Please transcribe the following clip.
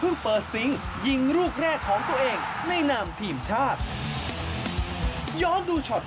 นึงนาทีมีเฮวันนี้นะครับไปร่วมแสดงความยินดีกับประตูแรกในนามทีมชาติไทยของเจ้าปิโป้